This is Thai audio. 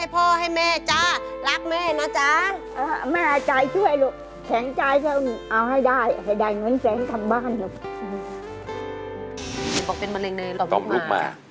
ตอมลูกมา